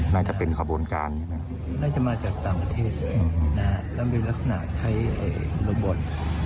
น่าจะเป็นขบวนการยังไงน่าจะมาจากต่างประเทศแล้วเป็นลักษณะใช้โรงบอร์ด